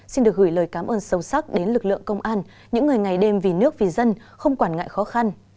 xin được gửi lời cảm ơn sâu sắc đến lực lượng công an những người ngày đêm vì nước vì dân không quản ngại khó khăn